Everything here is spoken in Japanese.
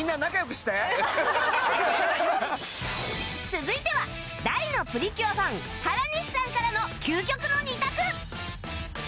続いては大の『プリキュア』ファン原西さんからの究極の２択！